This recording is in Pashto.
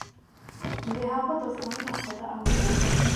د هغه داستانونه ساده او روان دي.